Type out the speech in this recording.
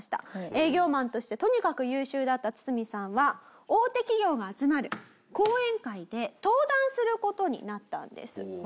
営業マンとしてとにかく優秀だったツツミさんは大手企業が集まる講演会で登壇する事になったんです。